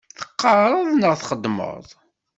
Teqqareḍ neɣ txeddmeḍ?